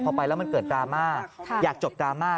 พอไปแล้วมันเกิดดราม่าอยากจบดราม่า